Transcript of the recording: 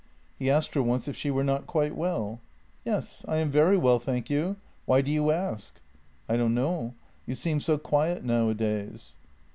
He asked her once if she were not quite well. " Yes, I am very well, thank you. Why do you ask? "" I don't know — you seem so quiet nowadays."